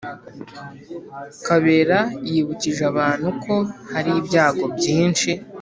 Kabera yibukije abantu ko hari ibyago byinshi